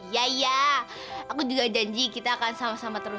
ya ya aku juga janji kita akan sama sama terus